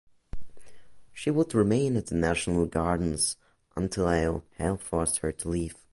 She would remain at the National Gardens until ill health forced her to leave.